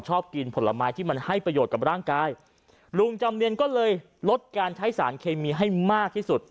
ชอบกินผลไม้ที่มันให้ประโยชน์กับร่างกายลุงจำเนียนก็เลยลดการใช้สารเคมีให้มากที่สุด